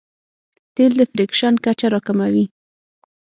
تېل د فریکشن کچه راکموي.